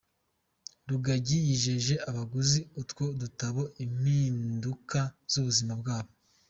Rugagi yijeje abaguze utwo dutabo impinduka z’ubuzima bwabo.